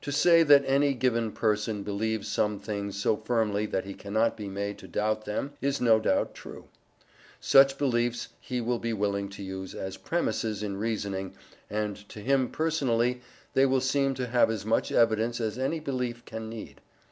To say that any given person believes some things so firmly that he cannot be made to doubt them is no doubt true. Such beliefs he will be willing to use as premisses in reasoning, and to him personally they will seem to have as much evidence as any belief can need.